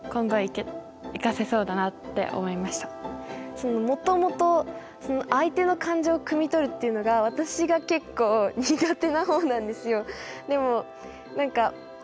それでもともと相手の感情をくみ取るっていうのが私が結構苦手な方なんですよ。